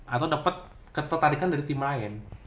atau dapat ketertarikan dari tim lain